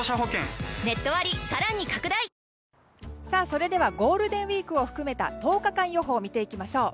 それではゴールデンウィークを含めた１０日間予報を見ていきましょう。